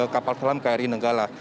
kapal selam kri nanggala